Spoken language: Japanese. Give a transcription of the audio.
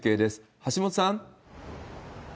橋本さん。